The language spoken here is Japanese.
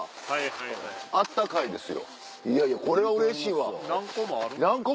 いやいやこれはうれしいわ何個もある。